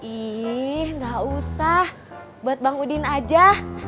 ih gak usah buat bang udin aja